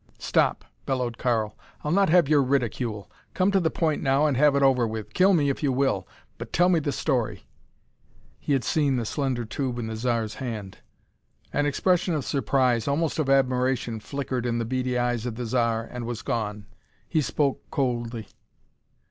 "Stop!" bellowed Karl. "I'll not have your ridicule. Come to the point now and have it over with. Kill me if you will, but tell me the story!" He had seen the slender tube in the Zar's hand. An expression of surprise, almost of admiration, flickered in the beady eyes of the Zar and was gone. He spoke coldly.